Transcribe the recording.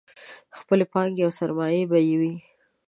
خپلې پانګې او سرمایې به یې وې.